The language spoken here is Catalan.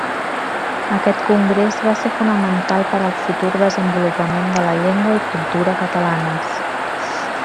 Aquest Congrés va ser fonamental per al futur desenvolupament de la llengua i cultura catalanes.